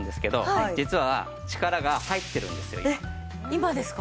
今ですか？